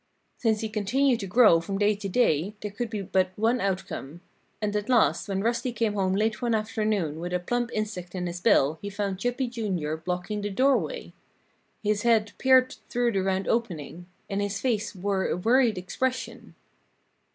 Since he continued to grow from day to day there could be but one outcome. And at last when Rusty came home late one afternoon with a plump insect in his bill he found Chippy, Jr., blocking the doorway. His head peered through the round opening. And his face wore a worried expression.